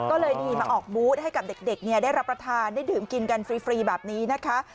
ก็เลยนี่มาออกบูธให้กับเด็กได้รับประทานได้ดื่มกินกันฟรีแบบนี้นะคะ